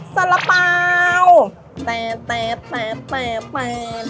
สระเปร้า